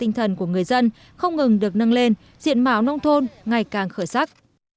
tình thần của người dân không ngừng được nâng lên diện máu nông thôn ngày càng khởi sắc